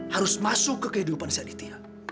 harus masuk ke kehidupan si aditya